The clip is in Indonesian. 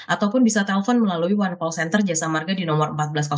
ataupun bisa telpon melalui one call center jasa marga di nomor empat belas